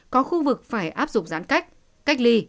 có khu vực phải áp dụng giãn cách cách ly